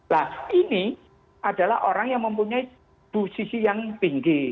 nah ini adalah orang yang mempunyai posisi yang tinggi